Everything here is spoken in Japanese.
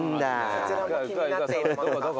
そちらも気になっているものが。